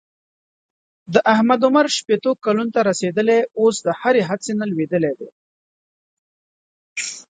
د احمد عمر شپېتو کلونو ته رسېدلی اوس د هرې هڅې نه لوېدلی دی.